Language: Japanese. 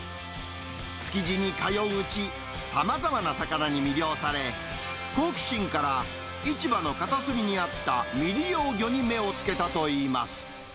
築地に通ううち、さまざまな魚に魅了され、好奇心から、市場の片隅にあった、未利用魚に目をつけたといいます。